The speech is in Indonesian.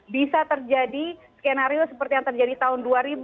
bisa terjadi skenario seperti yang terjadi tahun dua ribu dua